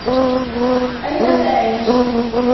أين سأعيش؟